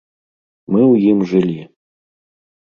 Мы ў ім жылі.